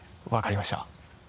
分かりました。